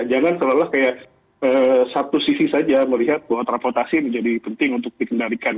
jangan seolah olah kayak satu sisi saja melihat bahwa transportasi menjadi penting untuk dikendalikan